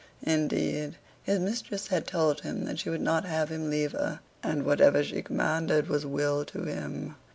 Indeed, his mistress had told him that she would not have him leave her; and whatever she commanded was will to him.